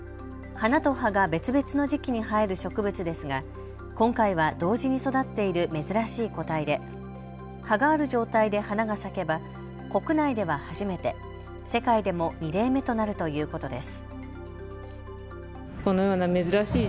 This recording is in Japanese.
花と葉が別々の時期に生える植物ですが今回は同時に育っている珍しい個体で葉がある状態で花が咲けば国内では初めて、世界でも２例目となるということです。